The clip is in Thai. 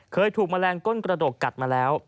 เคยถูกแมลงก้นกระดกกัดมาแล้ว